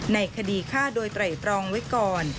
ในคดีฆ่าโดยไตรตรองไว้ก่อน